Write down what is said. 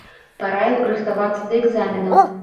Параіў рыхтавацца да экзаменаў.